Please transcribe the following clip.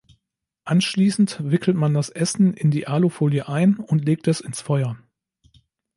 Anschließend wickelt man das Essen in die Alufolie ein und legt es ins Feuer.